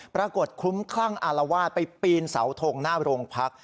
ปรากฏถูกคลั่งอาราวาทไปปีนเสาโทงหน้าโรงพัก